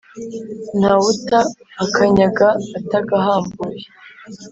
Ntawe uta akanyaga atagahambuye.